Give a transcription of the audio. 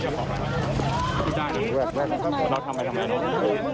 โชว์บ้านในพื้นที่เขารู้สึกยังไงกับเรื่องที่เกิดขึ้น